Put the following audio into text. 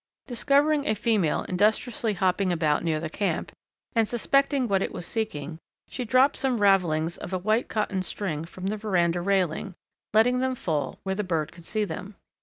Discovering a female industriously hopping about near the camp, and suspecting what it was seeking, she dropped some ravellings of a white cotton string from the veranda railing, letting them fall where the bird could see them.